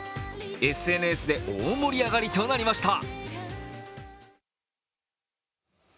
ＳＮＳで大盛り上がりとなりました